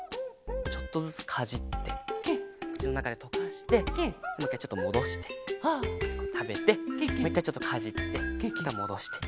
ちょっとずつかじってくちのなかでとかしてもういっかいちょっともどしてたべてもういっかいちょっとかじってまたもどして。